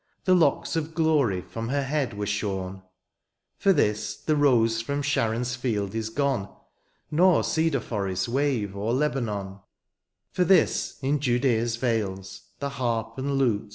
The locks of glory from her head were shorn ; For this, the rose from Sharon^s field is gone, Nor cedar forests wave o^er Lebanon ; For this, in Judea^s vales, the harp, and lute.